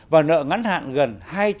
và nợ ngắn hạn gần